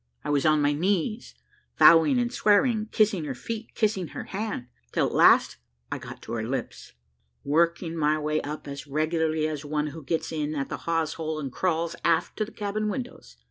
I was on my knees, vowing and swearing, kissing her feet, and kissing her hand, till at last I got to her lips, working my way up as regularly as one who gets in at the hawsehole and crawls aft to the cabin windows.